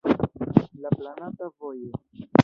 La planata vojo.